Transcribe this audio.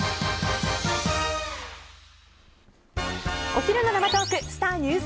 お昼の生トークスター☆